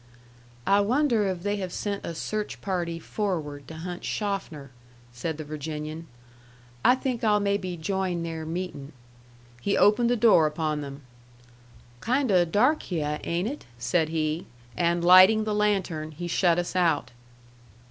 "I wonder if they have sent a search party forward to hunt Schoffner?" said the Virginian. "I think I'll maybe join their meeting." He opened the door upon them. "Kind o' dark hyeh, ain't it?" said he. And lighting the lantern, he shut us out.